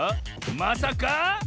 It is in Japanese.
まさか？